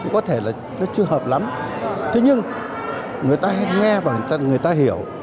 có thể là nó chưa hợp lắm thế nhưng người ta hay nghe và người ta hiểu